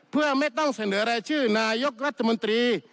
เพื่อไม่ต้องเสนอรายชื่อนายกรัฐมนตรี